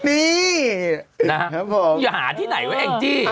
นี่อย่าหาที่ไหนไว้แอ้งจี่